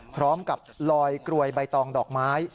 พร้อมกับลอยกรวยใบตองดอกไม้